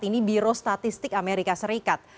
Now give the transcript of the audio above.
ini biro statistik amerika serikat